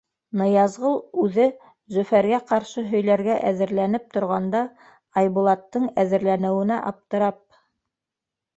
Ныязғол үҙе, Зөфәргә ҡаршы һөйләргә әҙерләнеп торғанда, Айбулаттың әҙерләнеүенә аптырап: